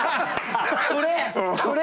それ！